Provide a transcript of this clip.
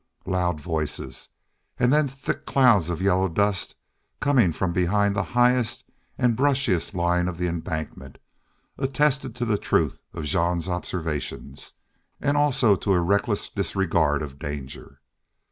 Loud voices, and then thick clouds of yellow dust, coming from behind the highest and brushiest line of the embankment, attested to the truth of Jean's observation, and also to a reckless disregard of danger.